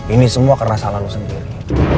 ini semua karena salah lo sendiri